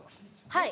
はい。